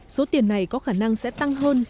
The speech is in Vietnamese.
số tiền này có khả năng sẽ tăng hơn